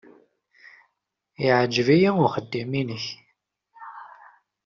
Yeɛjeb-iyi uxeddim-nnek.